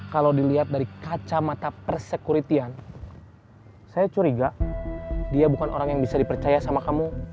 kalau dilihat dari kacamata persekuritian saya curiga dia bukan orang yang bisa dipercaya sama kamu